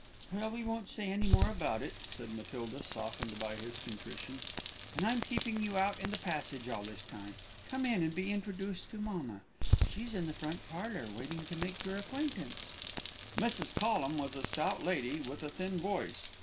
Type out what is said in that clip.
"Well, we won't say any more about it," said Matilda, softened by his contrition. "And I'm keeping you out in the passage all this time. Come in, and be introduced to mamma; she's in the front parlour, waiting to make your acquaintance." Mrs. Collum was a stout lady, with a thin voice.